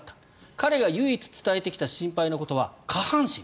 彼が唯一伝えてきた心配事は下半身。